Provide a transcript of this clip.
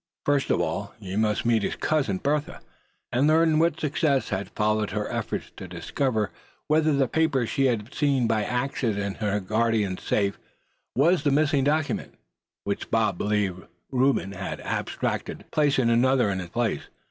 First of all, he must meet his cousin, Bertha, and learn what success had followed her efforts to discover whether the paper she had seen by accident in her guardian's safe was the missing document which Bob believed Reuben had abstracted, placing another in its place.